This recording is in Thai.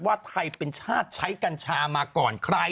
ว่าไทยเป็นชาติใช้กัญชามาก่อนใคร